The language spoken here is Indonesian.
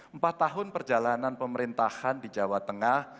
empat tahun perjalanan pemerintahan di jawa tengah